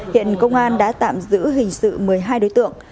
hiện công an đã tạm giữ hình sự một mươi hai đối tượng